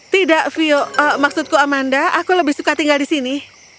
tidak vio maksudku amanda aku lebih suka tinggal di sini